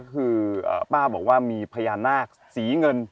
คือป้าบอกว่ามีพญานาคสีเงิน